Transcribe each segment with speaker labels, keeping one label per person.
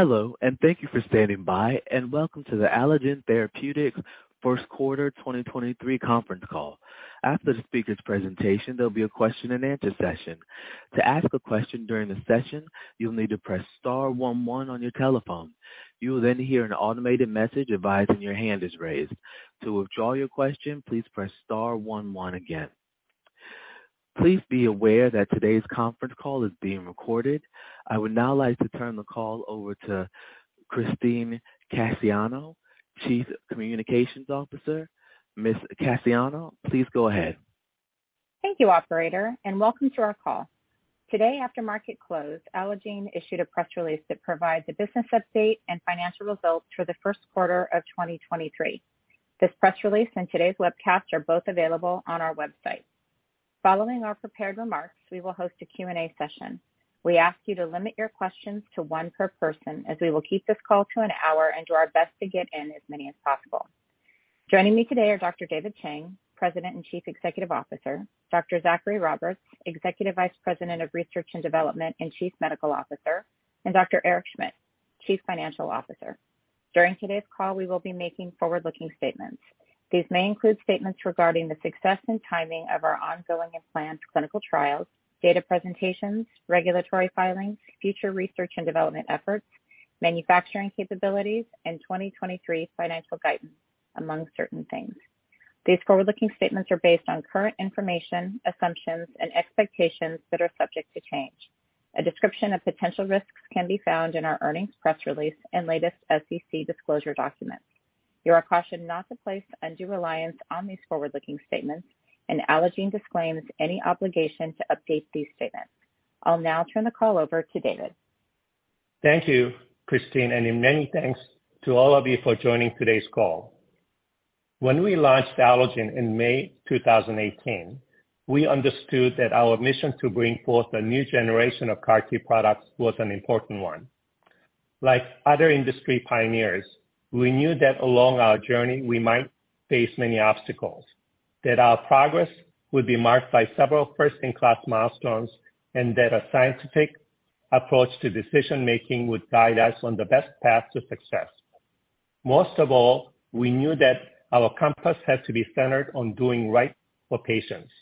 Speaker 1: Hello, thank you for standing by, and welcome to the Allogene Therapeutics first quarter 2023 conference call. After the speaker's presentation, there'll be a question and answer session. To ask a question during the session, you'll need to press star 1 1 on your telephone. You will then hear an automated message advising your hand is raised. To withdraw your question, please press star 1 1 again. Please be aware that today's conference call is being recorded. I would now like to turn the call over to Christine Cassiano, Chief Communications Officer. Ms. Cassiano, please go ahead.
Speaker 2: Thank you, operator, and welcome to our call. Today after market close, Allogene issued a press release that provides a business update and financial results for the first quarter of 2023. This press release and today's webcast are both available on our website. Following our prepared remarks, we will host a Q&A session. We ask you to limit your questions to one per person as we will keep this call to an hour and do our best to get in as many as possible. Joining me today are Dr. David Chang, President and Chief Executive Officer, Dr. Zachary Roberts, Executive Vice President of Research and Development and Chief Medical Officer, and Dr. Eric Schmidt, Chief Financial Officer. During today's call, we will be making forward-looking statements. These may include statements regarding the success and timing of our ongoing and planned clinical trials, data presentations, regulatory filings, future research and development efforts, manufacturing capabilities, and 2023 financial guidance, among certain things. These forward-looking statements are based on current information, assumptions, and expectations that are subject to change. A description of potential risks can be found in our earnings press release and latest SEC disclosure documents. You are cautioned not to place undue reliance on these forward-looking statements. Allogene disclaims any obligation to update these statements. I'll now turn the call over to David.
Speaker 3: Thank you, Christine, and many thanks to all of you for joining today's call. When we launched Allogene in May 2018, we understood that our mission to bring forth a new generation of CAR T products was an important one. Like other industry pioneers, we knew that along our journey we might face many obstacles, that our progress would be marked by several first-in-class milestones, and that a scientific approach to decision-making would guide us on the best path to success. Most of all, we knew that our compass had to be centered on doing right for patients.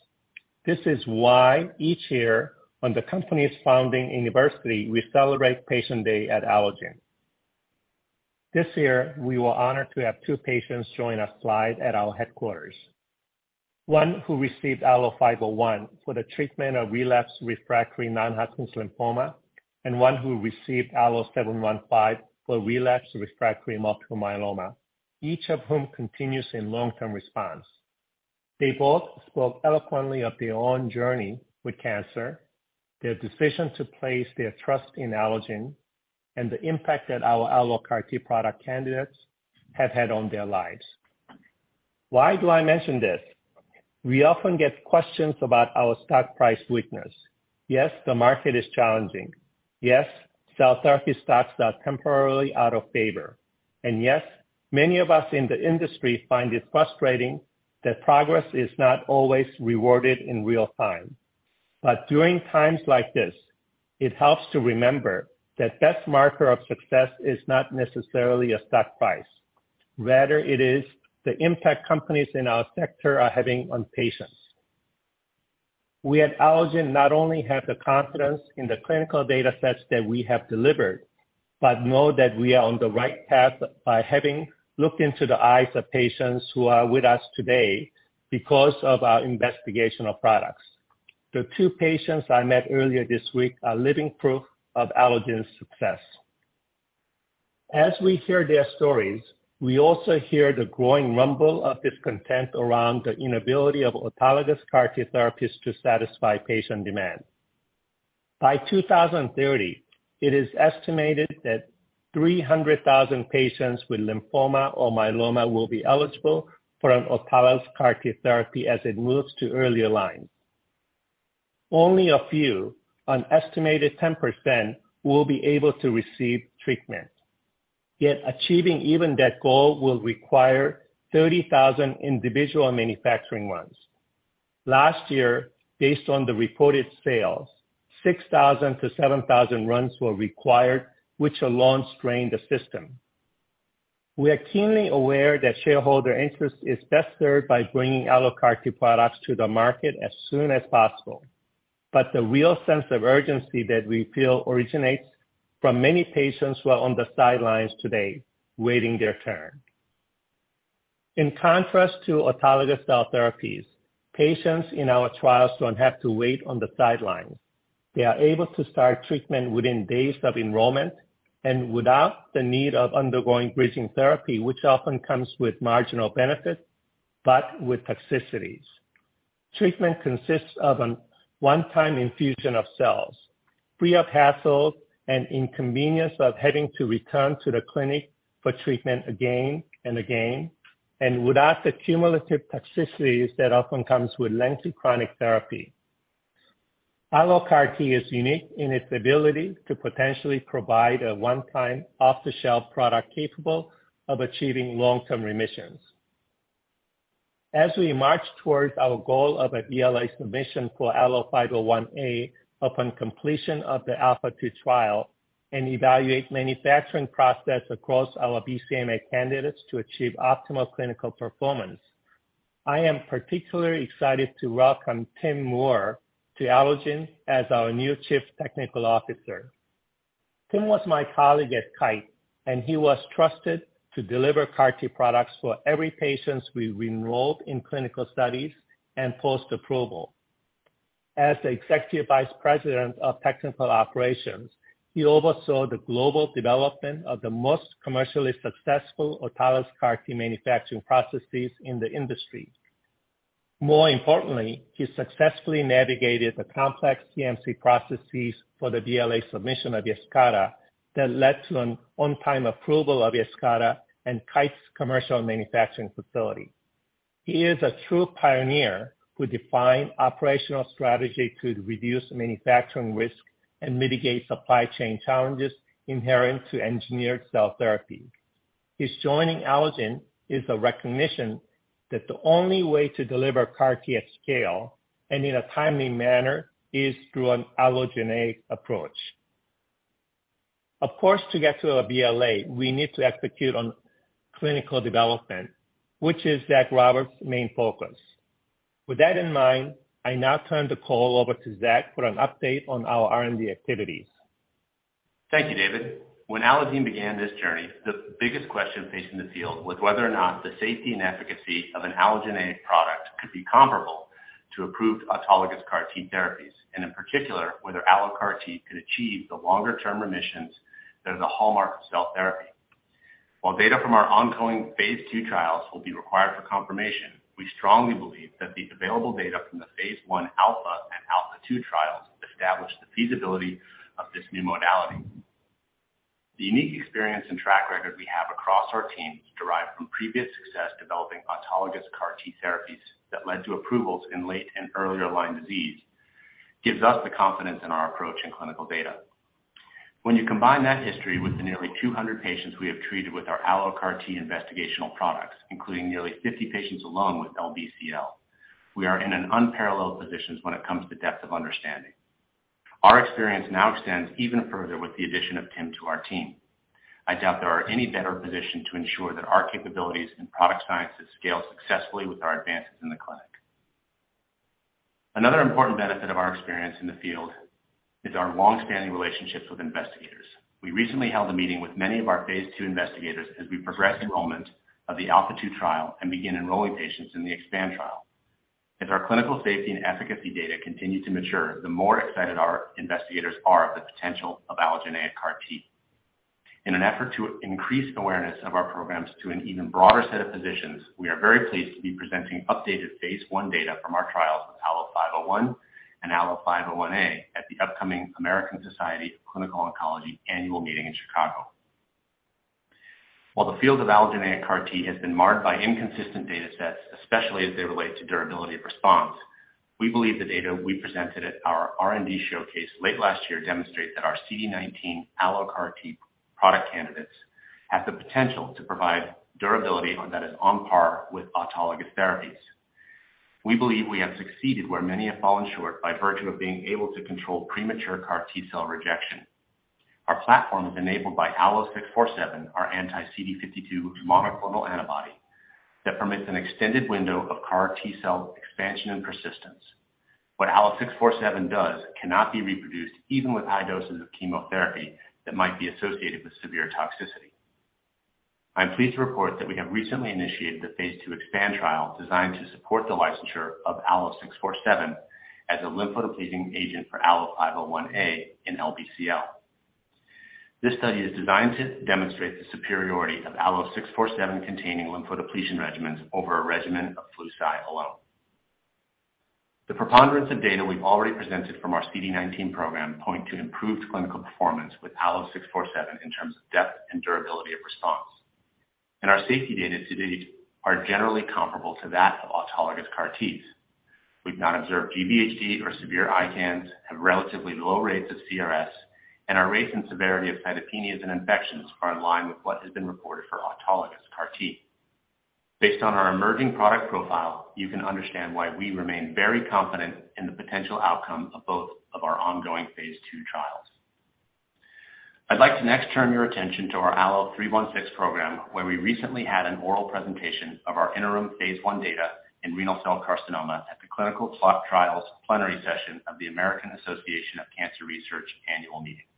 Speaker 3: This is why each year on the company's founding anniversary, we celebrate patient day at Allogene. This year, we were honored to have two patients join us live at our headquarters. One who received ALLO-501 for the treatment of relapsed refractory non-Hodgkin's lymphoma, and one who received ALLO-715 for relapsed refractory multiple myeloma. Each of whom continues in long-term response. They both spoke eloquently of their own journey with cancer, their decision to place their trust in Allogene, and the impact that our AlloCAR T product candidates have had on their lives. Why do I mention this? We often get questions about our stock price weakness. Yes, the market is challenging. Yes, cell therapy stocks are temporarily out of favor. Yes, many of us in the industry find it frustrating that progress is not always rewarded in real time. During times like this, it helps to remember that best marker of success is not necessarily a stock price. Rather, it is the impact companies in our sector are having on patients. We at Allogene not only have the confidence in the clinical data sets that we have delivered, but know that we are on the right path by having looked into the eyes of patients who are with us today because of our investigational products. The two patients I met earlier this week are living proof of Allogene's success. As we hear their stories, we also hear the growing rumble of discontent around the inability of autologous CAR T therapies to satisfy patient demand. By 2030, it is estimated that 300,000 patients with lymphoma or myeloma will be eligible for an autologous CAR T therapy as it moves to earlier lines. Only a few, an estimated 10%, will be able to receive treatment. Achieving even that goal will require 30,000 individual manufacturing runs. Last year, based on the reported sales, 6,000-7,000 runs were required, which alone strained the system. We are keenly aware that shareholder interest is best served by bringing AlloCAR T products to the market as soon as possible. The real sense of urgency that we feel originates from many patients who are on the sidelines today waiting their turn. In contrast to autologous cell therapies, patients in our trials don't have to wait on the sidelines. They are able to start treatment within days of enrollment and without the need of undergoing bridging therapy, which often comes with marginal benefits, but with toxicities. Treatment consists of a one-time infusion of cells, free of hassle and inconvenience of having to return to the clinic for treatment again and again, and without the cumulative toxicities that often comes with lengthy chronic therapy. AlloCAR T is unique in its ability to potentially provide a one-time, off-the-shelf product capable of achieving long-term remissions. As we march towards our goal of a BLA submission for ALLO-501A upon completion of the ALPHA2 trial and evaluate manufacturing process across our BCMA candidates to achieve optimal clinical performance, I am particularly excited to welcome Tim Moore to Allogene as our new Chief Technical Officer. Tim was my colleague at Kite, and he was trusted to deliver CAR T products for every patients we enrolled in clinical studies and post-approval. As the Executive Vice President of Technical Operations, he oversaw the global development of the most commercially successful autologous CAR T manufacturing processes in the industry. More importantly, he successfully navigated the complex CMC processes for the BLA submission of Yescarta that led to an on-time approval of Yescarta and Kite's commercial manufacturing facility. He is a true pioneer who defined operational strategy to reduce manufacturing risk and mitigate supply chain challenges inherent to engineered cell therapy. His joining Allogene is a recognition that the only way to deliver CAR T at scale and in a timely manner is through an allogeneic approach. Of course, to get to a BLA, we need to execute on clinical development, which is Zach Roberts' main focus. With that in mind, I now turn the call over to Zach for an update on our R&D activities.
Speaker 4: Thank you, David. When Allogene began this journey, the biggest question facing the field was whether or not the safety and efficacy of an allogeneic product could be comparable to approved autologous CAR T therapies, and in particular, whether AlloCAR T could achieve the longer-term remissions that are the hallmark of cell therapy. While data from our ongoing Phase II trials will be required for confirmation, we strongly believe that the available data from the Phase I ALPHA and ALPHA2 trials establish the feasibility of this new modality. The unique experience and track record we have across our teams derived from previous success developing autologous CAR T therapies that led to approvals in late and earlier-line disease gives us the confidence in our approach and clinical data. When you combine that history with the nearly 200 patients we have treated with our AlloCAR T investigational products, including nearly 50 patients alone with LBCL, we are in an unparalleled position when it comes to depth of understanding. Our experience now extends even further with the addition of Tim to our team. I doubt there are any better position to ensure that our capabilities and product sciences scale successfully with our advances in the clinic. Another important benefit of our experience in the field is our long-standing relationships with investigators. We recently held a meeting with many of our Phase II investigators as we progress enrollment of the ALPHA2 trial and begin enrolling patients in the EXPAND trial. As our clinical safety and efficacy data continue to mature, the more excited our investigators are of the potential of allogeneic CAR T. In an effort to increase awareness of our programs to an even broader set of physicians, we are very pleased to be presenting updated Phase I data from our trials with ALLO-501 and ALLO-501A at the upcoming American Society of Clinical Oncology annual meeting in Chicago. While the field of allogeneic CAR T has been marked by inconsistent data sets, especially as they relate to durability of response, we believe the data we presented at our R&D Showcase late last year demonstrate that our CD19 AlloCAR T product candidates have the potential to provide durability on that is on par with autologous therapies. We believe we have succeeded where many have fallen short by virtue of being able to control premature CAR T-cell rejection. Our platform is enabled by ALLO-647, our anti-CD52 monoclonal antibody that permits an extended window of CAR T-cell expansion and persistence. What ALLO-647 does cannot be reproduced even with high doses of chemotherapy that might be associated with severe toxicity. I'm pleased to report that we have recently initiated the Phase II EXPAND trial designed to support the licensure of ALLO-647 as a lymphodepleting agent for ALLO-501A in LBCL. This study is designed to demonstrate the superiority of ALLO-647-containing lymphodepletion regimens over a regimen of Flu/Cy alone. The preponderance of data we've already presented from our CD19 program point to improved clinical performance with ALLO-647 in terms of depth and durability of response and our safety data to date are generally comparable to that of autologous CAR Ts. We've not observed GVHD or severe ICANS, have relatively low rates of CRS, and our rates and severity of cytopenias and infections are in line with what has been reported for autologous CAR T. Based on our emerging product profile, you can understand why we remain very confident in the potential outcome of both of our ongoing Phase II trials. I'd like to next turn your attention to our ALLO-316 program, where we recently had an oral presentation of our interim Phase I data in renal cell carcinoma at the Clinical Trials Plenary Session of the American Association for Cancer Research annual meeting.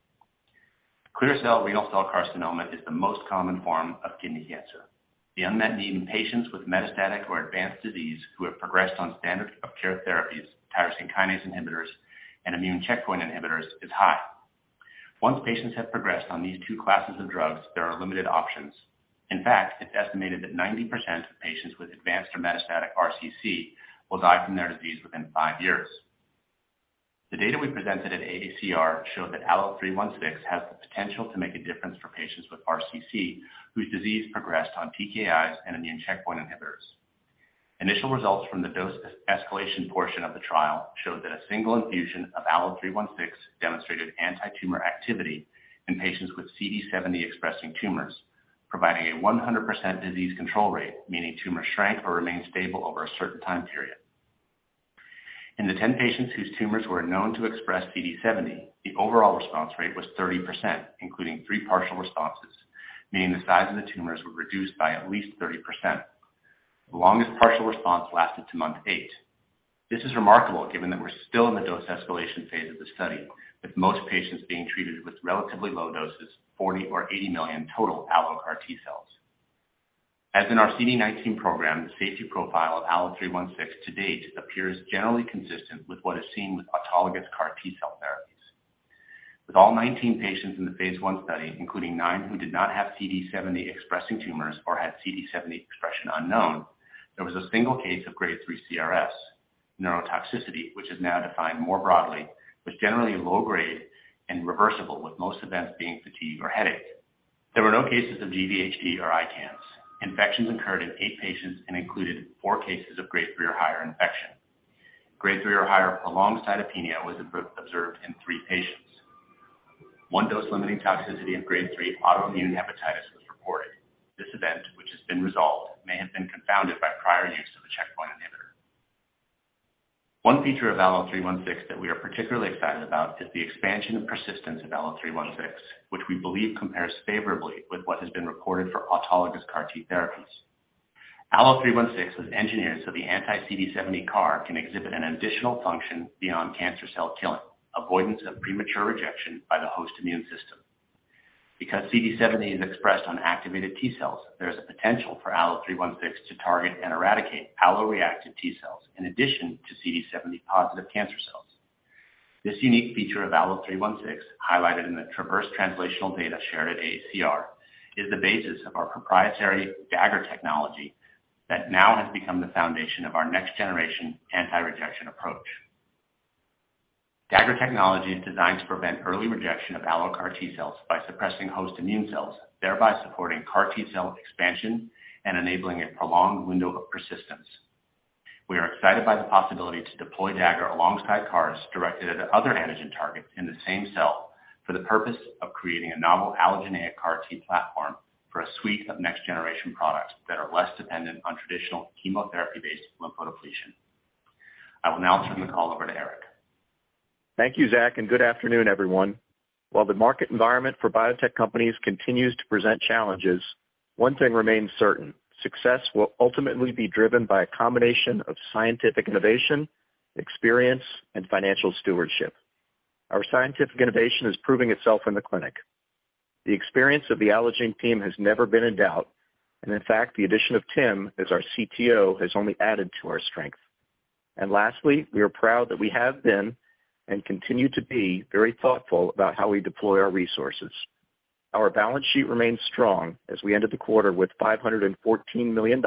Speaker 4: Clear cell renal cell carcinoma is the most common form of kidney cancer. The unmet need in patients with metastatic or advanced disease who have progressed on standard of care therapies, tyrosine kinase inhibitors, and immune checkpoint inhibitors is high. Once patients have progressed on these two classes of drugs, there are limited options. In fact, it's estimated that 90% of patients with advanced or metastatic RCC will die from their disease within five years. The data we presented at AACR showed that ALLO-316 has the potential to make a difference for patients with RCC whose disease progressed on TKIs and immune checkpoint inhibitors. Initial results from the dose escalation portion of the trial showed that a single infusion of ALLO-316 demonstrated antitumor activity in patients with CD70-expressing tumors, providing a 100% disease control rate, meaning tumors shrank or remained stable over a certain time period. In the 10 patients whose tumors were known to express CD70, the overall response rate was 30%, including 3 partial responses, meaning the size of the tumors were reduced by at least 30%. The longest partial response lasted to month 8. This is remarkable given that we're still in the dose escalation Phase of the study, with most patients being treated with relatively low doses, 40 or 80 million total AlloCAR T-cells. As in our CD19 program, the safety profile of ALLO-316 to date appears generally consistent with what is seen with autologous CAR T-cell therapies. With all 19 patients in the Phase I study, including 9 who did not have CD70-expressing tumors or had CD70 expression unknown, there was a single case of Grade 3 CRS neurotoxicity, which is now defined more broadly, but generally low-grade and reversible, with most events being fatigue or headache. There were no cases of GVHD or ICANS. Infections occurred in 8 patients and included 4 cases of Grade 3 or higher infection. Grade 3 or higher alongside apnea was observed in 3 patients. 1 dose-limiting toxicity of Grade 3 autoimmune hepatitis was reported. This event, which has been resolved, may have been confounded by prior use of the checkpoint inhibitor. One feature of ALLO-316 that we are particularly excited about is the expansion and persistence of ALLO-316, which we believe compares favorably with what has been reported for autologous CAR T therapies. ALLO-316 was engineered so the anti-CD70 CAR can exhibit an additional function beyond cancer cell killing, avoidance of premature rejection by the host immune system. Because CD70 is expressed on activated T-cells, there is a potential for ALLO-316 to target and eradicate alloreactive T-cells in addition to CD70-positive cancer cells. This unique feature of ALLO-316, highlighted in the TRAVERSE translational data shared at AACR, is the basis of our proprietary Dagger technology that now has become the foundation of our next-generation anti-rejection approach. Dagger technology is designed to prevent early rejection of AlloCAR T-cells by suppressing host immune cells, thereby supporting CAR T-cell expansion and enabling a prolonged window of persistence. We are excited by the possibility to deploy Dagger alongside CARs directed at other antigen targets in the same cell for the purpose of creating a novel allogeneic CAR T platform for a suite of next-generation products that are less dependent on traditional chemotherapy-based lymphodepletion. I will now turn the call over to Eric.
Speaker 5: Thank you, Zach. Good afternoon, everyone. While the market environment for biotech companies continues to present challenges, one thing remains certain. Success will ultimately be driven by a combination of scientific innovation, experience, and financial stewardship. Our scientific innovation is proving itself in the clinic. The experience of the Allogene team has never been in doubt, and in fact, the addition of Tim as our CTO has only added to our strength. Lastly, we are proud that we have been and continue to be very thoughtful about how we deploy our resources. Our balance sheet remains strong as we ended the quarter with $514 million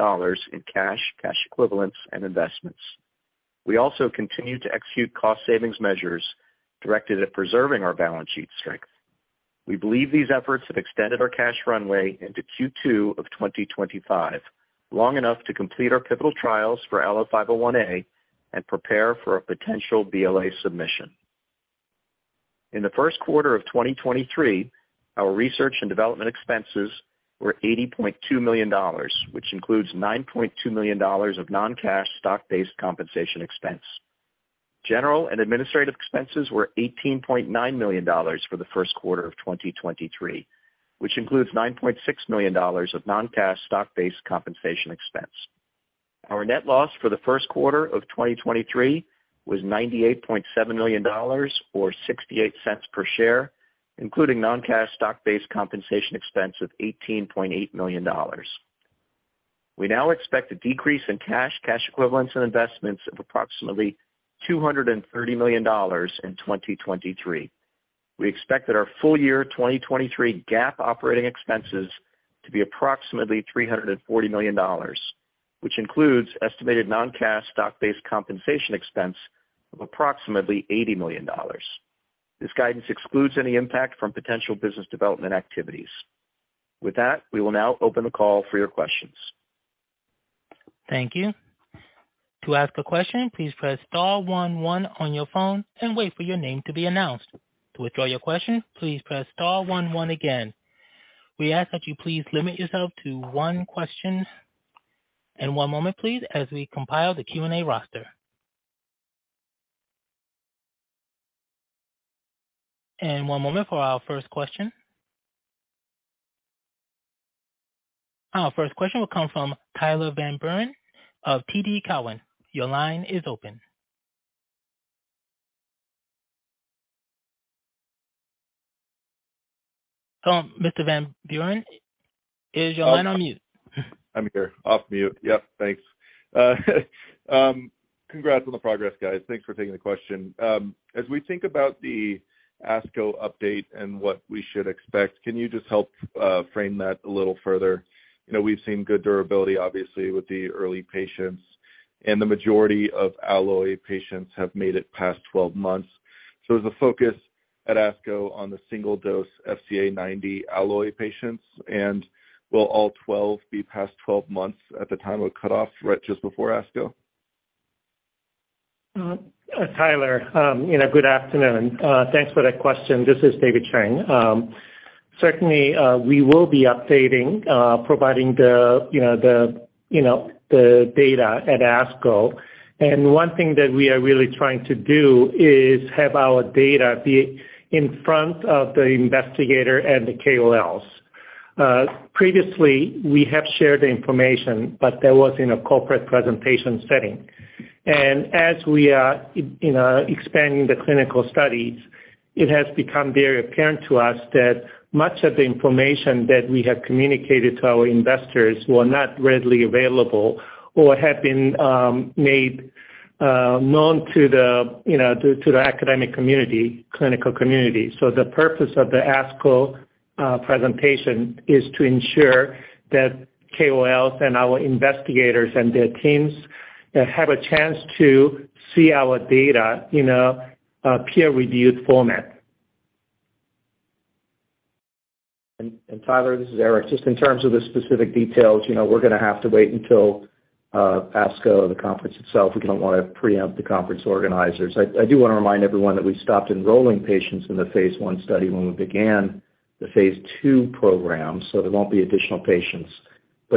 Speaker 5: in cash equivalents, and investments. We also continue to execute cost savings measures directed at preserving our balance sheet strength. We believe these efforts have extended our cash runway into Q2 of 2025, long enough to complete our pivotal trials for ALLO-501A and prepare for a potential BLA submission. In the first quarter of 2023, our research and development expenses were $80.2 million, which includes $9.2 million of non-cash stock-based compensation expense. General and administrative expenses were $18.9 million for the first quarter of 2023, which includes $9.6 million of non-cash stock-based compensation expense. Our net loss for the first quarter of 2023 was $98.7 million or $0.68 per share, including non-cash stock-based compensation expense of $18.8 million. We now expect a decrease in cash equivalents, and investments of approximately $230 million in 2023. We expect that our full-year 2023 GAAP operating expenses to be approximately $340 million, which includes estimated non-cash stock-based compensation expense of approximately $80 million. This guidance excludes any impact from potential business development activities. With that, we will now open the call for your questions.
Speaker 1: Thank you. To ask a question, please press star one one on your phone and wait for your name to be announced. To withdraw your question, please press star one one again. We ask that you please limit yourself to one question and one moment please as we compile the Q&A roster. One moment for our first question. Our first question will come from Tyler Van Buren of TD Cowen. Your line is open. Mr. Van Buren, is your line on mute?
Speaker 6: I'm here off mute. Yep. Thanks. Congrats on the progress, guys. Thanks for taking the question. As we think about the ASCO update and what we should expect, can you just help frame that a little further? You know, we've seen good durability, obviously, with the early patients, and the majority of Allo-A patients have made it past 12 months. Is the focus at ASCO on the single-dose FCA90 Allo-A patients, and will all 12 be past 12 months at the time of cutoff right just before ASCO?
Speaker 3: Tyler, you know, good afternoon. Thanks for that question. This is David Chang. Certainly, we will be updating, providing the, you know, the, you know, the data at ASCO. One thing that we are really trying to do is have our data be in front of the investigator and the KOLs. Previously, we have shared the information, but that was in a corporate presentation setting. As we are, you know, expanding the clinical studies, it has become very apparent to us that much of the information that we have communicated to our investors were not readily available or had been made known to the, you know, to the academic community, clinical community. The purpose of the ASCO presentation is to ensure that KOLs and our investigators and their teams have a chance to see our data in a peer-reviewed format.
Speaker 5: Tyler, this is Eric. Just in terms of the specific details, you know, we're gonna have to wait until ASCO, the conference itself. We don't wanna preempt the conference organizers. I do wanna remind everyone that we stopped enrolling patients in the Phase I study when we began the Phase II program, so there won't be additional patients.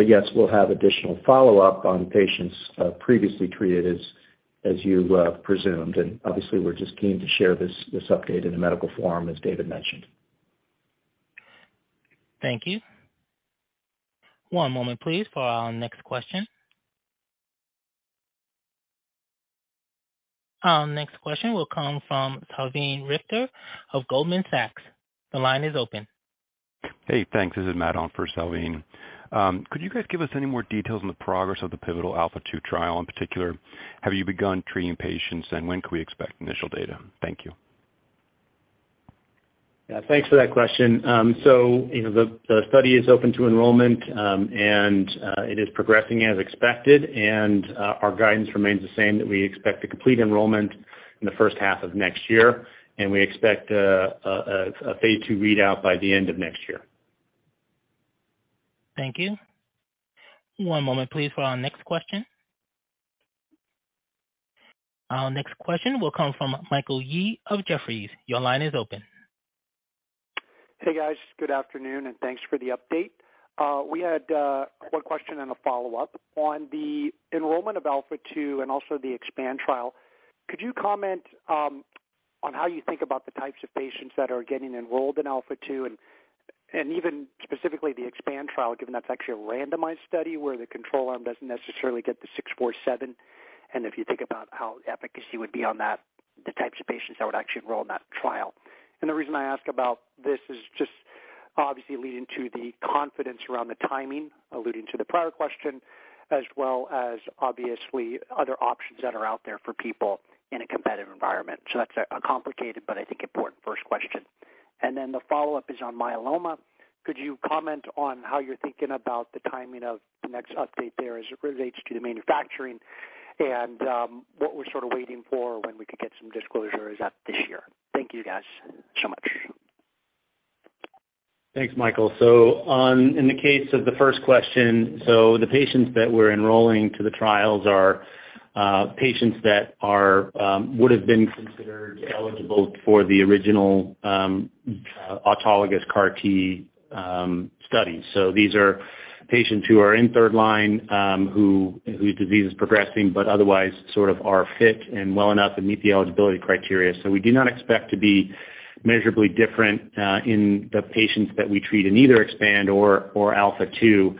Speaker 5: Yes, we'll have additional follow-up on patients, previously treated as you presumed. Obviously we're just keen to share this update in a medical forum, as David mentioned.
Speaker 1: Thank you. One moment please for our next question. Our next question will come from Salveen Richter of Goldman Sachs. The line is open.
Speaker 7: Hey, thanks. This is Matt on for Salveen. Could you guys give us any more details on the progress of the pivotal ALPHA2 trial? In particular, have you begun treating patients, and when can we expect initial data? Thank you.
Speaker 4: Yeah. Thanks for that question. You know, the study is open to enrollment, and it is progressing as expected. Our guidance remains the same, that we expect to complete enrollment in the first half of next year, and we expect Phase II readout by the end of next year.
Speaker 1: Thank you. One moment please for our next question. Our next question will come from Michael Yee of Jefferies. Your line is open.
Speaker 8: Hey, guys. Good afternoon, and thanks for the update. We had 1 question and a follow-up. On the enrollment of ALPHA2 and also the EXPAND trial, could you comment on how you think about the types of patients that are getting enrolled in ALPHA2 and even specifically the EXPAND trial, given that's actually a randomized study where the control arm doesn't necessarily get the 647, and if you think about how efficacy would be on that, the types of patients that would actually enroll in that trial? The reason I ask about this is just obviously leading to the confidence around the timing, alluding to the prior question, as well as obviously other options that are out there for people in a competitive environment. That's a complicated but I think important first question. The follow-up is on myeloma. Could you comment on how you're thinking about the timing of the next update there as it relates to the manufacturing and what we're sort of waiting for when we could get some disclosure as of this year? Thank you guys so much.
Speaker 4: Thanks, Michael. In the case of the first question, the patients that we're enrolling to the trials are patients that are would have been considered eligible for the original autologous CAR T study. These are patients who are in third line, whose disease is progressing, but otherwise sort of are fit and well enough and meet the eligibility criteria. We do not expect to be measurably different in the patients that we treat in either EXPAND or ALPHA2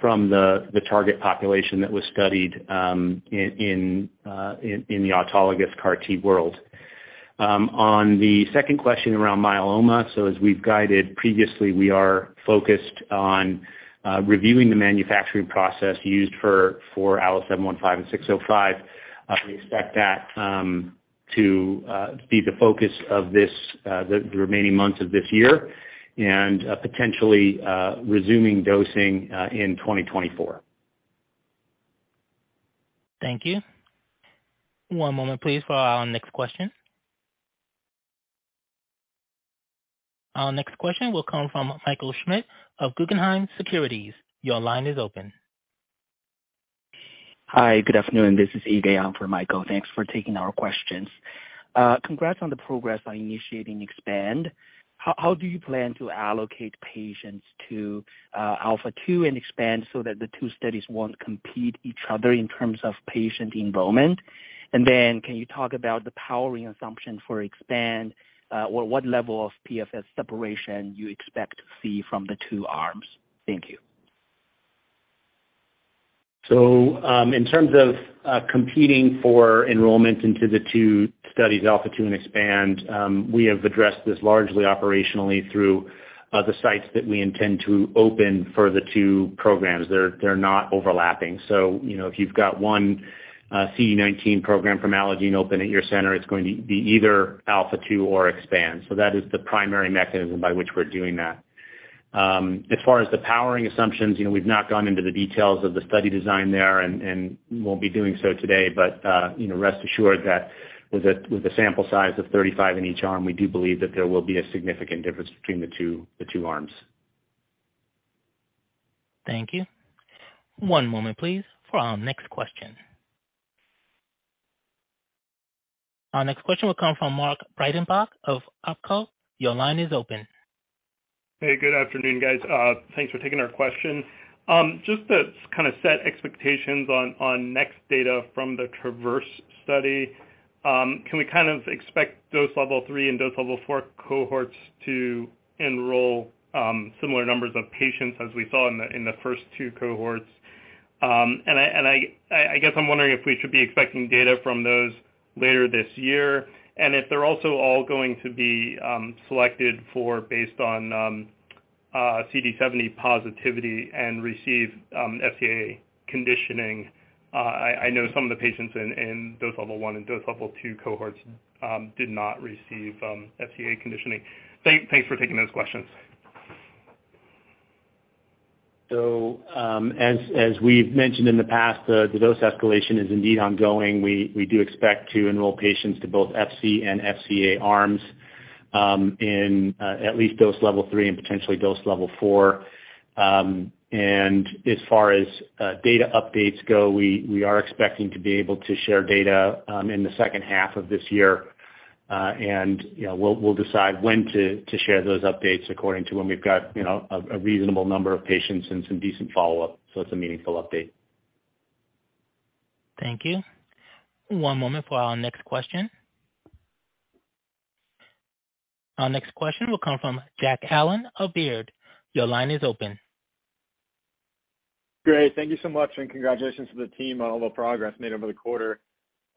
Speaker 4: from the target population that was studied in the autologous CAR T world. On the second question around myeloma, as we've guided previously, we are focused on reviewing the manufacturing process used for ALLO-715 and ALLO-605. We expect that to be the focus of this the remaining months of this year and potentially resuming dosing in 2024.
Speaker 1: Thank you. One moment please for our next question. Our next question will come from Michael Schmidt of Guggenheim Securities. Your line is open.
Speaker 9: Hi. Good afternoon. This is Yaday on for Michael. Thanks for taking our questions. Congrats on the progress on initiating EXPAND. How do you plan to allocate patients to ALPHA2 and EXPAND so that the two studies won't compete each other in terms of patient enrollment? Can you talk about the powering assumption for EXPAND or what level of PFS separation you expect to see from the two arms? Thank you.
Speaker 4: In terms of competing for enrollment into the two studies, ALPHA2 and EXPAND, we have addressed this largely operationally through the sites that we intend to open for the two programs. They're not overlapping. You know, if you've got one CD19 program from Allogene open at your center, it's going to be either ALPHA2 or EXPAND. That is the primary mechanism by which we're doing that. As far as the powering assumptions, you know, we've not gone into the details of the study design there and won't be doing so today. You know, rest assured that with the sample size of 35 in each arm, we do believe that there will be a significant difference between the two arms.
Speaker 1: Thank you. One moment please for our next question. Our next question will come from Mark Breidenbach of Oppenheimer. Your line is open.
Speaker 10: Hey, good afternoon, guys. Thanks for taking our question. Just to kind of set expectations on next data from the TRAVERSE study, can we kind of expect dose level 3 and dose level 4 cohorts to enroll similar numbers of patients as we saw in the first 2 cohorts? I guess I'm wondering if we should be expecting data from those later this year, and if they're also all going to be selected for based on CD70 positivity and receive FCA conditioning. I know some of the patients in dose level 1 and dose level 2 cohorts did not receive FCA conditioning. Thanks for taking those questions.
Speaker 4: As we've mentioned in the past, the dose escalation is indeed ongoing. We do expect to enroll patients to both FC and FCA arms, in at least dose level 3 and potentially dose level 4. As far as data updates go, we are expecting to be able to share data in the second half of this year. You know, we'll decide when to share those updates according to when we've got, you know, a reasonable number of patients and some decent follow-up, so it's a meaningful update.
Speaker 1: Thank you. One moment for our next question. Our next question will come from Jack Allen of Baird. Your line is open.
Speaker 11: Great. Thank you so much. Congratulations to the team on all the progress made over the quarter.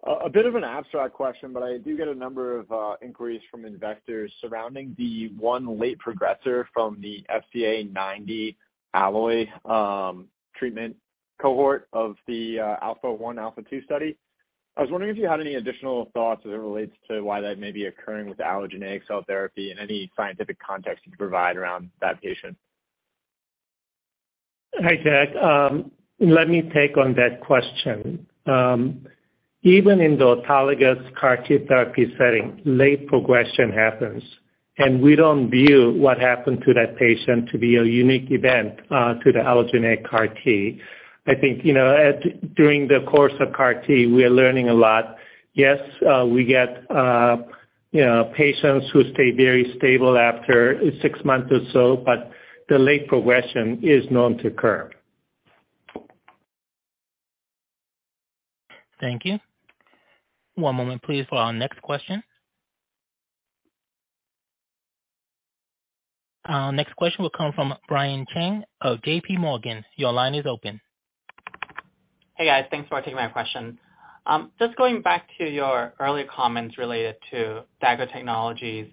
Speaker 11: A bit of an abstract question. I do get a number of inquiries from investors surrounding the one late progressor from the FCA90 Allo treatment cohort of the ALPHA, ALPHA2 study. I was wondering if you had any additional thoughts as it relates to why that may be occurring with allogeneic cell therapy and any scientific context you can provide around that patient.
Speaker 3: Hi, Jack. Let me take on that question. Even in the autologous CAR T therapy setting, late progression happens. We don't view what happened to that patient to be a unique event to the allogeneic CAR T. I think, you know, during the course of CAR T, we are learning a lot. Yes, we get, you know, patients who stay very stable after six months or so. The late progression is known to occur.
Speaker 1: Thank you. One moment, please, for our next question. Our next question will come from Brian Cheng of J.P. Morgan. Your line is open.
Speaker 12: Hey, guys. Thanks for taking my question. Just going back to your earlier comments related to Dagger technologies,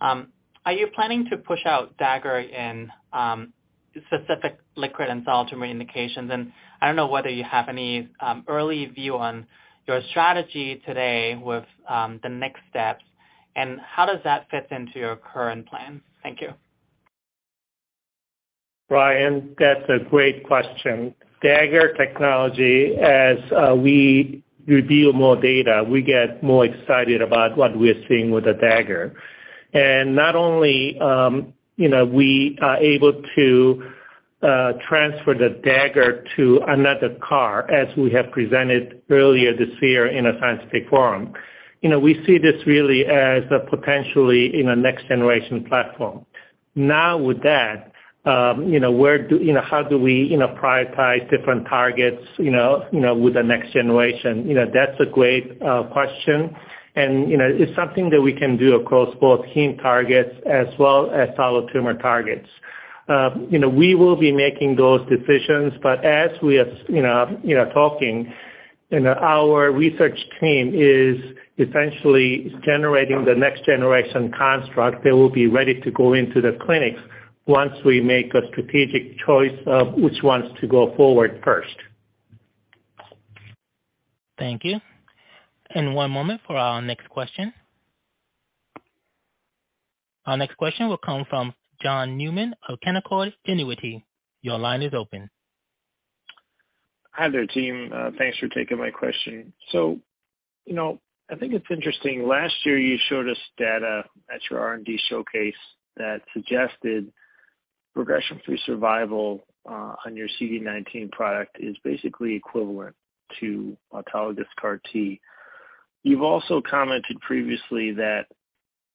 Speaker 12: are you planning to push out Dagger in specific liquid and solid tumor indications? And I don't know whether you have any early view on your strategy today with the next steps and how does that fit into your current plan? Thank you.
Speaker 3: Brian, that's a great question. Dagger technology, as we reveal more data, we get more excited about what we're seeing with the Dagger. Not only, you know, we are able to transfer the Dagger to another CAR, as we have presented earlier this year in a scientific forum. You know, we see this really as a potentially, you know, next-generation platform. Now, with that, you know, how do we, you know, prioritize different targets, you know, with the next generation? You know, that's a great question. You know, it's something that we can do across both heme targets as well as solid tumor targets. You know, we will be making those decisions, but as we are, you know, talking and our research team is essentially generating the next-generation construct, they will be ready to go into the clinics once we make a strategic choice of which ones to go forward first.
Speaker 1: Thank you. One moment for our next question. Our next question will come from John Newman of Canaccord Genuity. Your line is open.
Speaker 13: Hi there, team. Thanks for taking my question. You know, I think it's interesting, last year you showed us data at your R&D Showcase that suggested progression-free survival on your CD19 product is basically equivalent to autologous CAR T. You've also commented previously that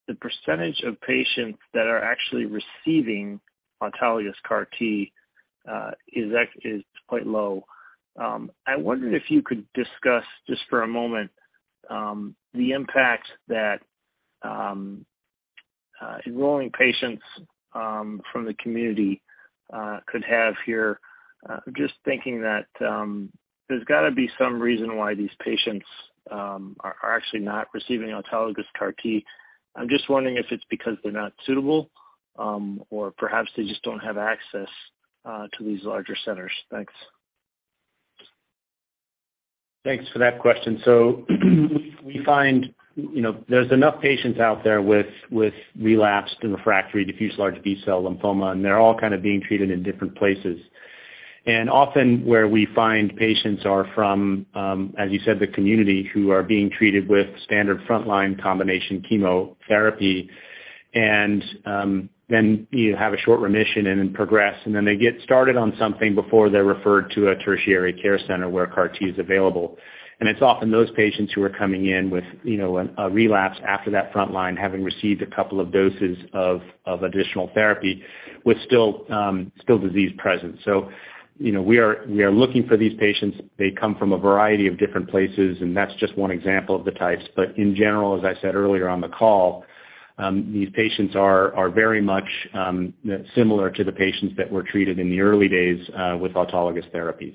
Speaker 13: the percentage of patients that are actually receiving autologous CAR T is quite low. I wondered if you could discuss, just for a moment, the impact that enrolling patients from the community could have here. Just thinking that there's gotta be some reason why these patients are actually not receiving autologous CAR T. I'm just wondering if it's because they're not suitable, or perhaps they just don't have access to these larger centers. Thanks.
Speaker 4: Thanks for that question. We find, you know, there's enough patients out there with relapsed and refractory diffuse large B-cell lymphoma, and they're all kind of being treated in different places. Often where we find patients are from, as you said, the community who are being treated with standard frontline combination chemotherapy. Then you have a short remission and then progress, and then they get started on something before they're referred to a tertiary care center where CAR T is available. It's often those patients who are coming in with, you know, a relapse after that front line, having received a couple of doses of additional therapy with still disease present. You know, we are looking for these patients. They come from a variety of different places, and that's just one example of the types. In general, as I said earlier on the call, these patients are very much similar to the patients that were treated in the early days, with autologous therapies.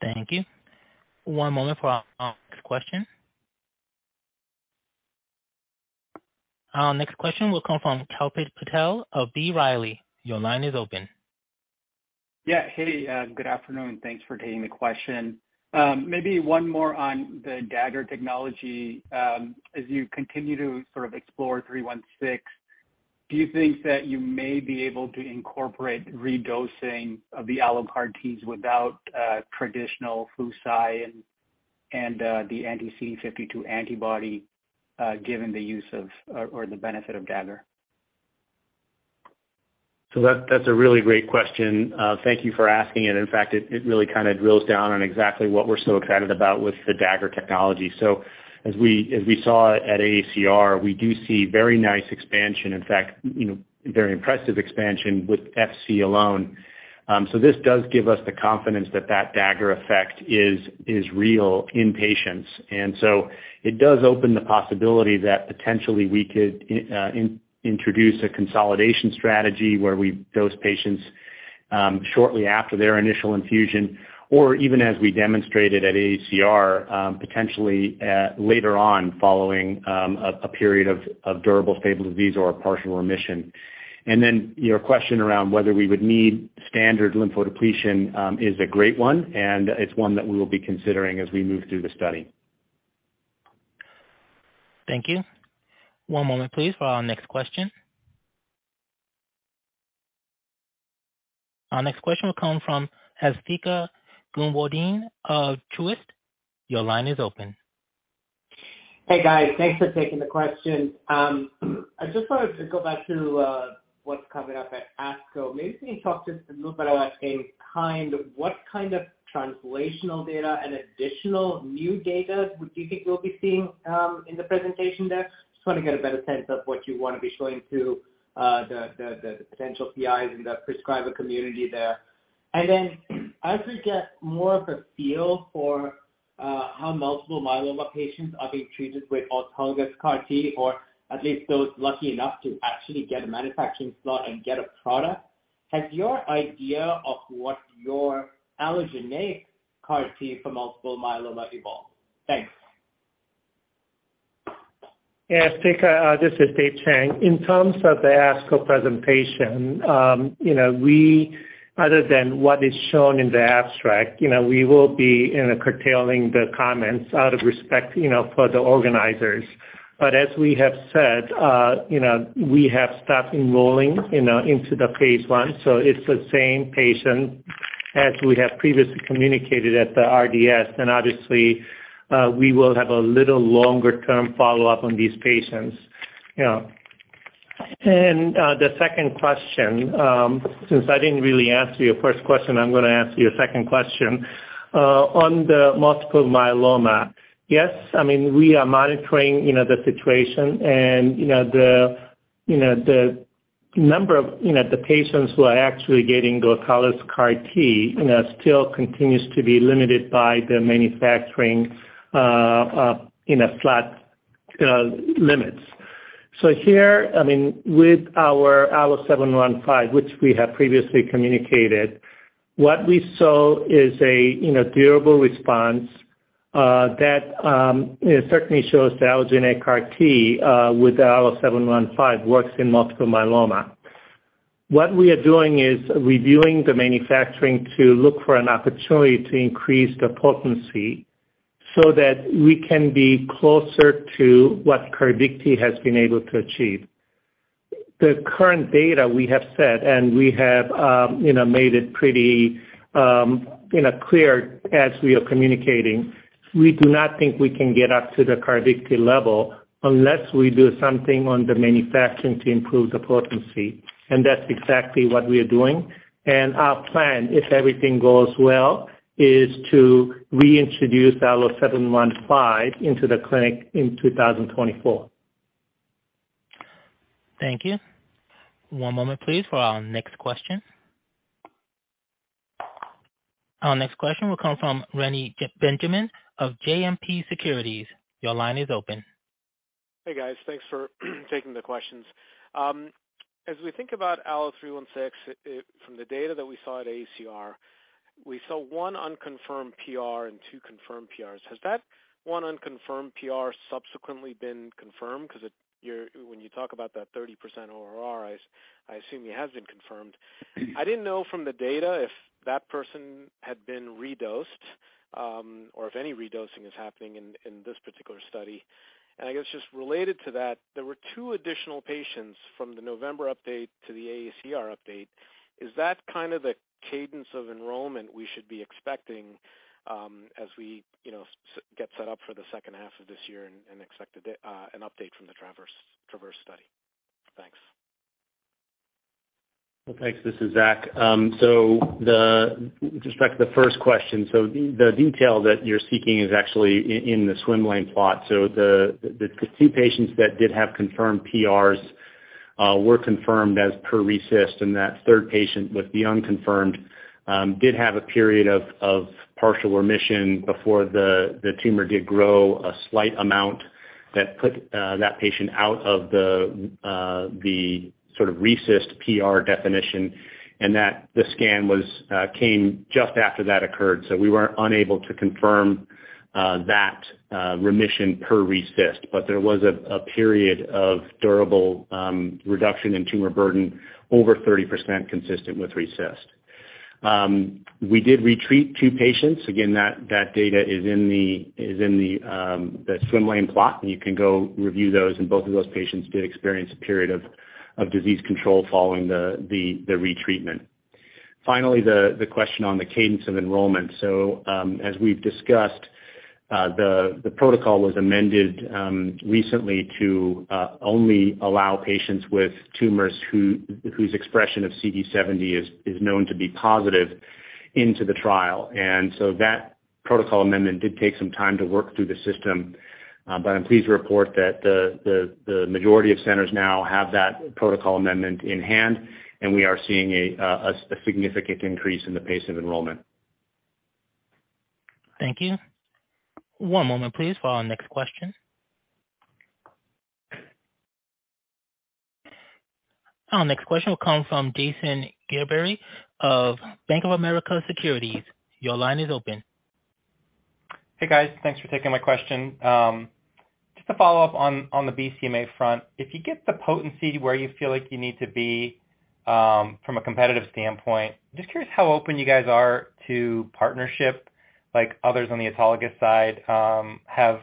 Speaker 1: Thank you. One moment for our next question. Our next question will come from Kalpit Patel of B. Riley. Your line is open.
Speaker 14: Hey, good afternoon, thanks for taking the question. Maybe one more on the Dagger technology. As you continue to sort of explore ALLO-316, do you think that you may be able to incorporate redosing of the AlloCAR Ts without traditional Flu/Cy and the anti-CD52 antibody, given the use of or the benefit of Dagger?
Speaker 4: That, that's a really great question. Thank you for asking it. In fact, it really kind of drills down on exactly what we're so excited about with the Dagger technology. As we saw at AACR, we do see very nice expansion, in fact, you know, very impressive expansion with FC alone. This does give us the confidence that that Dagger effect is real in patients. It does open the possibility that potentially we could introduce a consolidation strategy where we dose patients shortly after their initial infusion, or even as we demonstrated at AACR, potentially later on, following a period of durable stable disease or a partial remission. Your question around whether we would need standard lymphodepletion is a great one, and it's one that we will be considering as we move through the study.
Speaker 1: Thank you. One moment, please, for our next question. Our next question will come from Asthika Goonewardene of Truist. Your line is open.
Speaker 15: Hey, guys. Thanks for taking the question. I just wanted to go back to what's coming up at ASCO. Maybe you can talk just a little bit about, like, what kind of translational data and additional new data would you think we'll be seeing in the presentation there? Just wanna get a better sense of what you wanna be showing to the potential PIs and the prescriber community there. As we get more of a feel for how multiple myeloma patients are being treated with autologous CAR-T, or at least those lucky enough to actually get a manufacturing slot and get a product, has your idea of what your allogeneic CAR-T for multiple myeloma evolved? Thanks.
Speaker 3: Yeah, Asthika, this is Dave Chang. In terms of the ASCO presentation, you know, we, other than what is shown in the abstract, you know, we will be, you know, curtailing the comments out of respect, you know, for the organizers. As we have said, you know, we have stopped enrolling, you know, into the Phase I, so it's the same patient as we have previously communicated at the R&D Showcase. Obviously, we will have a little longer-term follow-up on these patients, you know. The second question, since I didn't really answer your first question, I'm gonna ask your second question. On the multiple myeloma, yes, I mean, we are monitoring, you know, the situation and, you know, the, you know, the number of, you know, the patients who are actually getting autologous CAR T, you know, still continues to be limited by the manufacturing, you know, slot limits. Here, I mean, with our ALLO-715, which we have previously communicated, what we saw is a, you know, durable response, that, certainly shows the allogeneic CAR T, with the ALLO-715 works in multiple myeloma. What we are doing is reviewing the manufacturing to look for an opportunity to increase the potency so that we can be closer to what Carvykti has been able to achieve. The current data we have set, we have, you know, made it pretty, you know, clear as we are communicating, we do not think we can get up to the Carvykti level unless we do something on the manufacturing to improve the potency. That's exactly what we are doing. Our plan, if everything goes well, is to reintroduce ALLO-715 into the clinic in 2024.
Speaker 1: Thank you. One moment please for our next question. Our next question will come from Reni Benjamin of JMP Securities. Your line is open.
Speaker 16: Hey, guys. Thanks for taking the questions. As we think about ALLO-316 from the data that we saw at AACR, we saw 1 unconfirmed PR and 2 confirmed PRs. Has that 1 unconfirmed PR subsequently been confirmed? When you talk about that 30% ORR, I assume it has been confirmed. I didn't know from the data if that person had been redosed, or if any redosing is happening in this particular study. I guess just related to that, there were 2 additional patients from the November update to the AACR update. Is that kind of the cadence of enrollment we should be expecting, as we, you know, get set up for the second half of this year and expect an update from the TRAVERSE study? Thanks.
Speaker 4: is Zach. With respect to the first question, the detail that you are seeking is actually in the swim lane plot. The two patients that did have confirmed PRs were confirmed as per RECIST, and that third patient with the unconfirmed did have a period of partial remission before the tumor did grow a slight amount that put that patient out of the sort of RECIST PR definition and the scan came just after that occurred. We were unable to confirm that remission per RECIST. But there was a period of durable reduction in tumor burden over 30% consistent with RECIST. We did retreat two patients That data is in the swim lane plot, and you can go review those and both of those patients did experience a period of disease control following the retreatment. Finally, the question on the cadence of enrollment. As we've discussed, the protocol was amended recently to only allow patients with tumors whose expression of CD70 is known to be positive into the trial. That protocol amendment did take some time to work through the system. I'm pleased to report that the majority of centers now have that protocol amendment in hand, and we are seeing a significant increase in the pace of enrollment.
Speaker 1: Thank you. One moment please for our next question. Our next question will come from Jason Gerberry of Bank of America Securities. Your line is open.
Speaker 17: Hey, guys. Thanks for taking my question. Just to follow up on the BCMA front. If you get the potency where you feel like you need to be from a competitive standpoint, just curious how open you guys are to partnership like others on the autologous side have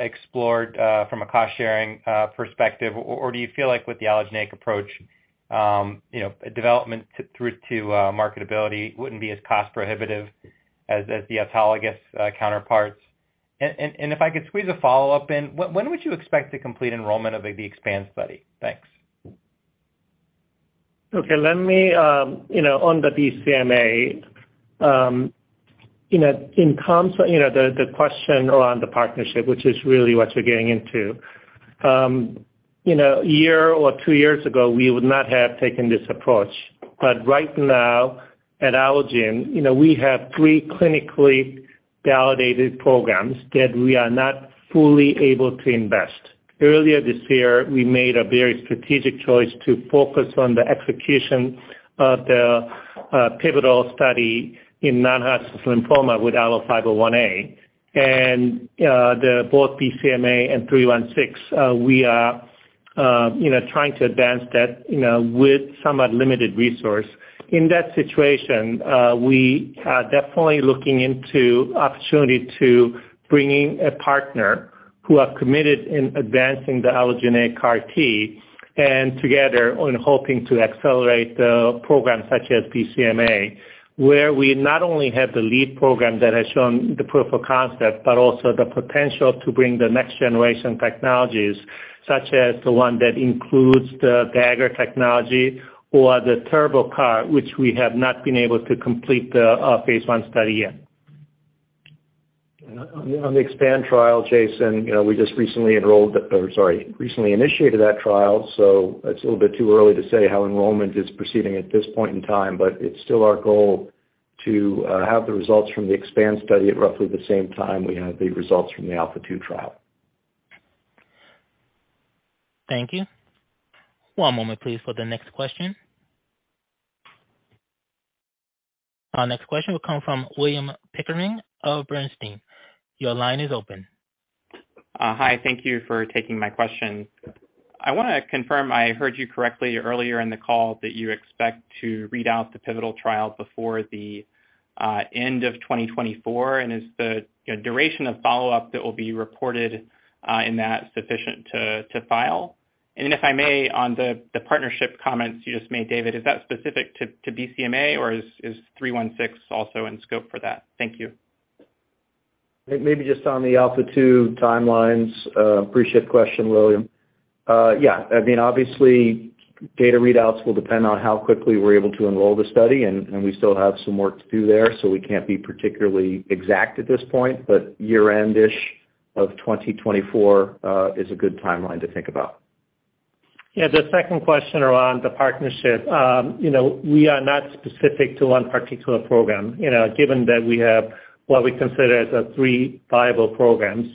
Speaker 17: explored from a cost-sharing perspective? Do you feel like with the allogeneic approach, you know, development through to marketability wouldn't be as cost prohibitive as the autologous counterparts? If I could squeeze a follow-up in, when would you expect to complete enrollment of the EXPAND study? Thanks.
Speaker 3: Okay. Let me, you know, on the BCMA, you know, in terms of, you know, the question around the partnership, which is really what you're getting into. You know, a year or two years ago, we would not have taken this approach. Right now at Allogene, you know, we have three clinically validated programs that we are not fully able to invest. Earlier this year, we made a very strategic choice to focus on the execution of the pivotal study in non-Hodgkin's lymphoma with ALLO-501A and the both BCMA and ALLO-316. We are, you know, trying to advance that, you know, with somewhat limited resource. In that situation, we are definitely looking into opportunity to bringing a partner who are committed in advancing the allogeneic CAR T, and together on hoping to accelerate the program such as BCMA, where we not only have the lead program that has shown the proof of concept, but also the potential to bring the next generation technologies, such as the one that includes the Dagger technology or the TurboCAR, which we have not been able to complete the Phase I study yet.
Speaker 4: On the EXPAND trial, Jason, you know, we just recently enrolled, or sorry, recently initiated that trial, so it's a little bit too early to say how enrollment is proceeding at this point in time, but it's still our goal to have the results from the EXPAND study at roughly the same time we have the results from the ALPHA2 trial.
Speaker 1: Thank you. One moment please for the next question. Our next question will come from William Pickering of Bernstein. Your line is open.
Speaker 18: Hi. Thank you for taking my question. I wanna confirm I heard you correctly earlier in the call that you expect to read out the pivotal trial before the end of 2024. Is the, you know, duration of follow-up that will be reported in that sufficient to file? If I may, on the partnership comments you just made, David, is that specific to BCMA, or is 316 also in scope for that? Thank you.
Speaker 4: Maybe just on the ALPHA2 timelines. Appreciate the question, William. Yeah. I mean, obviously data readouts will depend on how quickly we're able to enroll the study and we still have some work to do there, so we can't be particularly exact at this point. Year-end-ish of 2024 is a good timeline to think about.
Speaker 3: Yeah. The second question around the partnership. you know, we are not specific to one particular program. You know, given that we have what we consider as a three viable programs,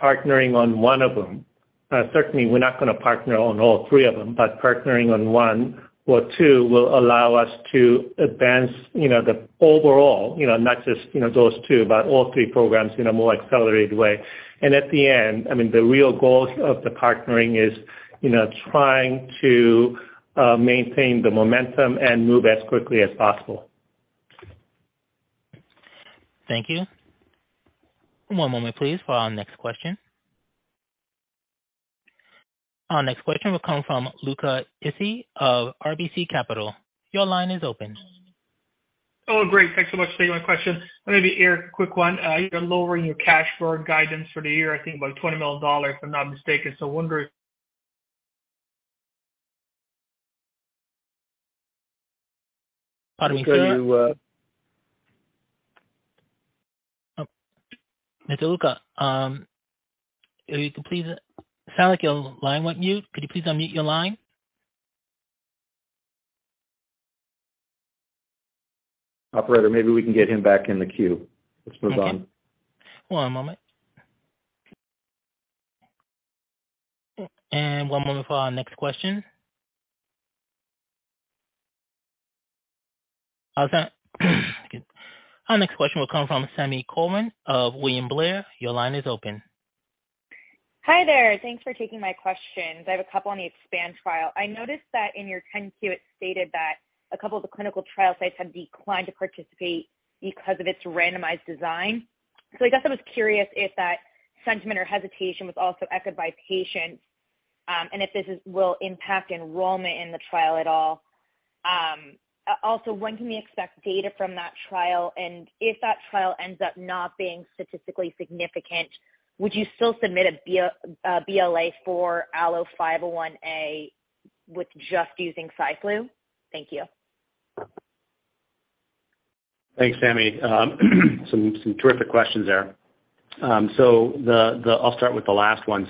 Speaker 3: partnering on one of them. certainly we're not gonna partner on all three of them, but partnering on one or two will allow us to advance, you know, the overall, you know, not just, you know, those two, but all three programs in a more accelerated way. At the end, I mean, the real goal of the partnering is, you know, trying to maintain the momentum and move as quickly as possible.
Speaker 1: Thank you. One moment, please, for our next question. Our next question will come from Luca Issi of RBC Capital. Your line is open.
Speaker 19: Oh, great. Thanks so much for taking my question. Maybe Eric, quick one. You're lowering your cash burn guidance for the year, I think about $20 million, if I'm not mistaken.
Speaker 1: Pardon me, sir. Mr. Luca, It sounds like your line went mute. Could you please unmute your line?
Speaker 4: Operator, maybe we can get him back in the queue. Let's move on.
Speaker 1: One moment. One moment for our next question. Excuse me. Our next question will come from Sami Corwin of William Blair. Your line is open.
Speaker 20: Hi there. Thanks for taking my questions. I have a couple on the EXPAND trial. I noticed that in your 10-Q, it stated that a couple of the clinical trial sites had declined to participate because of its randomized design. I guess I was curious if that sentiment or hesitation was also echoed by patients, and if this will impact enrollment in the trial at all. Also, when can we expect data from that trial? If that trial ends up not being statistically significant, would you still submit a BLA for ALLO-501A with just using Flu/Cy? Thank you.
Speaker 4: Thanks, Sammy. Some terrific questions there. I'll start with the last one.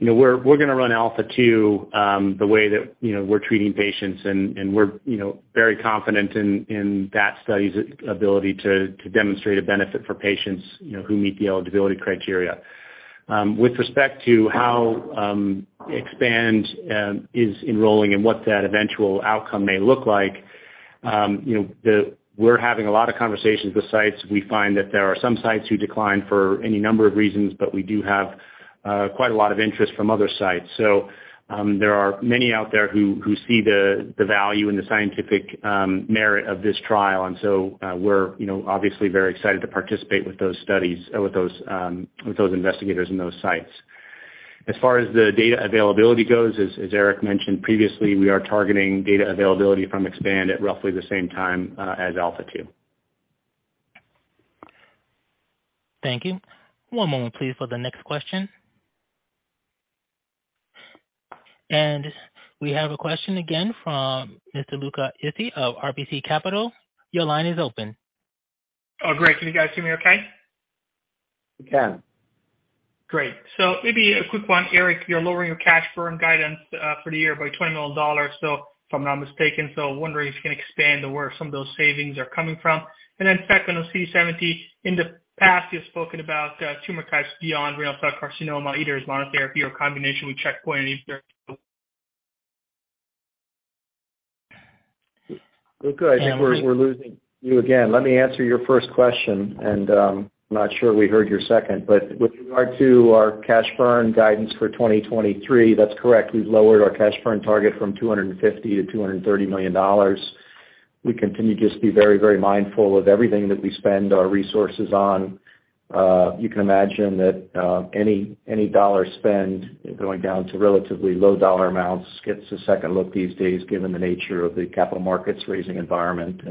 Speaker 4: You know, we're gonna run ALPHA2, the way that, you know, we're treating patients, and we're, you know, very confident in that study's ability to demonstrate a benefit for patients, you know, who meet the eligibility criteria. With respect to how EXPAND is enrolling and what that eventual outcome may look like, you know, we're having a lot of conversations with sites. We find that there are some sites who decline for any number of reasons, but we do have quite a lot of interest from other sites. There are many out there who see the value and the scientific merit of this trial. We're, you know, obviously very excited to participate with those studies or with those, with those investigators and those sites. As far as the data availability goes, as Eric mentioned previously, we are targeting data availability from EXPAND at roughly the same time, as ALPHA2.
Speaker 1: Thank you. One moment please for the next question. We have a question again from Mr. Luca Issi of RBC Capital. Your line is open.
Speaker 19: Oh, great. Can you guys hear me okay?
Speaker 4: We can.
Speaker 19: Great. Maybe a quick one. Eric, you're lowering your cash burn guidance for the year by $20 million, so if I'm not mistaken, so wondering if you can expand where some of those savings are coming from. Second, on CD70, in the past you've spoken about tumor types beyond renal cell carcinoma, either as monotherapy or combination with checkpoint inhibitors.
Speaker 4: Luca, I think we're losing you again. Let me answer your first question, and I'm not sure we heard your second. With regard to our cash burn guidance for 2023, that's correct. We've lowered our cash burn target from $250 to $230 million. We continue to just be very mindful of everything that we spend our resources on. You can imagine that any dollar spend going down to relatively low dollar amounts gets a second look these days, given the nature of the capital markets raising environment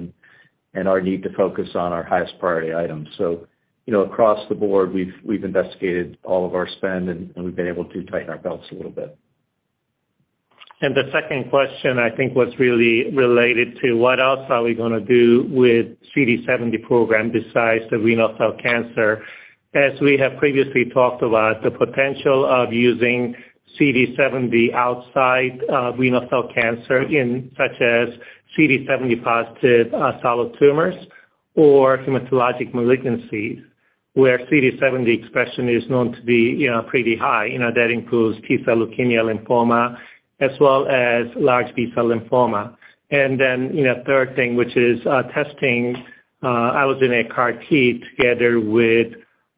Speaker 4: and our need to focus on our highest priority items. You know, across the board, we've investigated all of our spend, and we've been able to tighten our belts a little bit.
Speaker 3: The second question, I think, was really related to what else are we gonna do with CD70 program besides the renal cell carcinoma. We have previously talked about, the potential of using CD70 outside of renal cell carcinoma in such as CD70 positive solid tumors or hematologic malignancies, where CD70 expression is known to be, you know, pretty high. You know, that includes T-cell leukemia/lymphoma as well as large B-cell lymphoma. Then, you know, third thing, which is testing allogeneic CAR T together with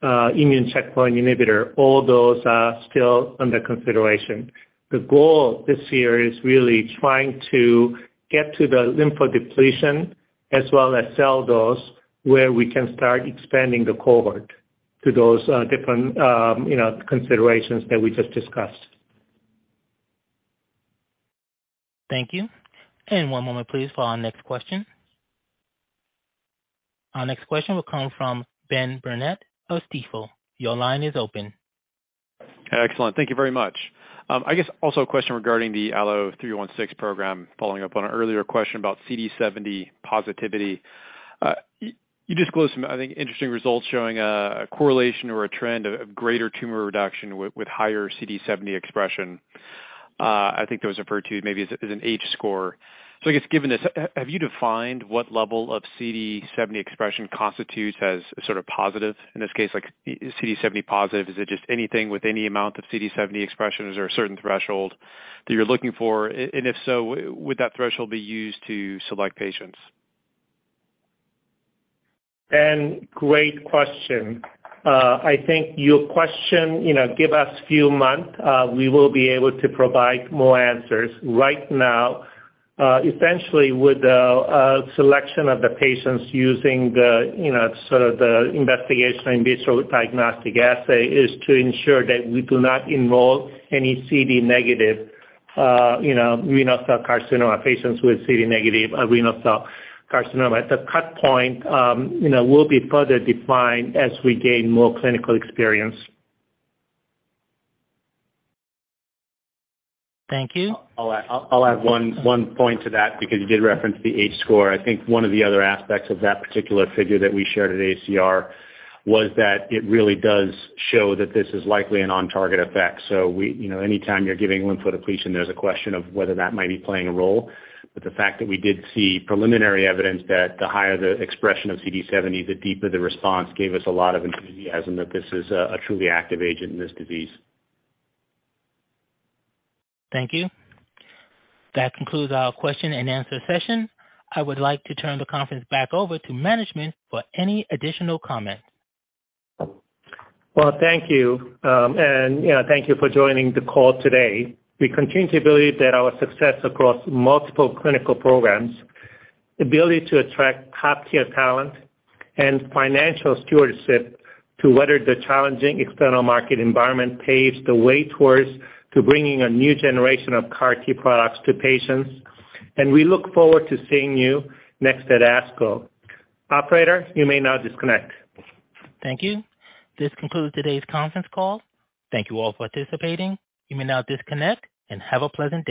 Speaker 3: immune checkpoint inhibitors. All those are still under consideration. The goal this year is really trying to get to the lymphodepletion as well as cell dose, where we can start expanding the cohort to those different, you know, considerations that we just discussed.
Speaker 1: Thank you. One moment please for our next question. Our next question will come from Ben Burnett of Stifel. Your line is open.
Speaker 21: Excellent. Thank you very much. I guess also a question regarding the ALLO-316 program, following up on an earlier question about CD70 positivity. You disclosed some, I think, interesting results showing a correlation or a trend of greater tumor reduction with higher CD70 expression. I think it was referred to maybe as an H-score. I guess given this, have you defined what level of CD70 expression constitutes as sort of positive? In this case, like CD70 positive, is it just anything with any amount of CD70 expression? Is there a certain threshold that you're looking for? If so, would that threshold be used to select patients?
Speaker 3: Ben, great question. I think your question, you know, give us few months, we will be able to provide more answers. Right now, essentially with the selection of the patients using the, you know, sort of the investigational in vitro diagnostic assay is to ensure that we do not enroll any CD negative, you know, renal cell carcinoma patients with CD negative renal cell carcinoma. The cut point, you know, will be further defined as we gain more clinical experience.
Speaker 1: Thank you.
Speaker 4: I'll add one point to that because you did reference the H-score. I think one of the other aspects of that particular figure that we shared at AACR was that it really does show that this is likely a non-target effect. We, you know, anytime you're giving lymphodepletion, there's a question of whether that might be playing a role. The fact that we did see preliminary evidence that the higher the expression of CD70, the deeper the response, gave us a lot of enthusiasm that this is a truly active agent in this disease.
Speaker 1: Thank you. That concludes our question and answer session. I would like to turn the conference back over to management for any additional comments.
Speaker 3: Well, thank you. You know, thank you for joining the call today. We continue to believe that our success across multiple clinical programs, ability to attract top-tier talent and financial stewardship to weather the challenging external market environment paves the way towards to bringing a new generation of CAR T products to patients. We look forward to seeing you next at ASCO. Operator, you may now disconnect.
Speaker 1: Thank you. This concludes today's conference call. Thank you all for participating. You may now disconnect and have a pleasant day.